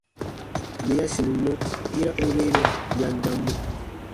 Yè ya sinum mɔ, yera n weenɛ ya n dam mɔ.